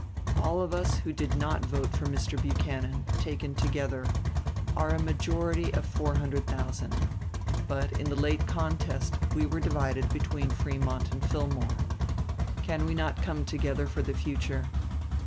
All of us who did not vote for Mr. Buchanan, taken together, are a majority of four hundred thousand. But in the late contest we were divided between Frémont and Fillmore. Can we not come together for the future?